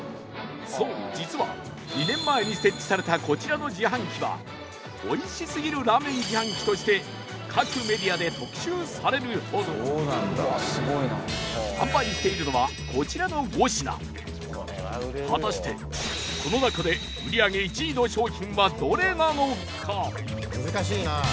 そう実は、２年前に設置されたこちらの自販機はおいしすぎるラーメン自販機として各メディアで特集されるほど販売しているのはこちらの５品果たして、この中で売り上げ１位の商品はどれなのか？